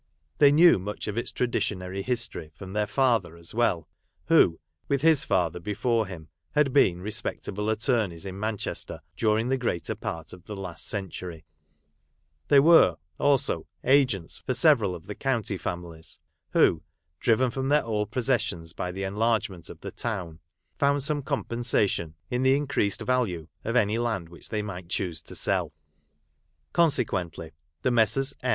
They knew much of its traditionary history from their father, as well ; who, with his father before him, had been respectable attorneys in Manchester, during the greater part of the last century ; they were, also, agents for several of the county families ; who, driven from their old possessions by the enlargement of the town, found some compensation in the increased value of any land which they might choose to sell. Consequently the Messrs.